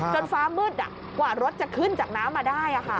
ฟ้ามืดกว่ารถจะขึ้นจากน้ำมาได้